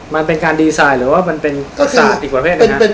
มันเป็นการดีไซน์หรือเป็นศาสตร์อีกประเภทนะครับ